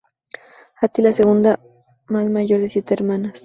Hattie la segunda más mayor de siete hermanos.